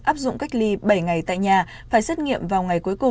áp dụng cách ly bảy ngày tại nhà phải xét nghiệm vào ngày